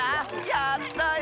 やったよ！